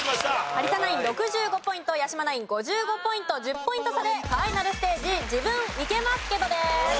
有田ナイン６５ポイント八嶋ナイン５５ポイント１０ポイント差でファイナルステージ自分イケますけど！です。